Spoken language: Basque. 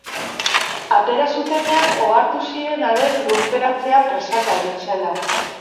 Atera zutenean, ohartu ziren haren lurperatzea presaka egin zela.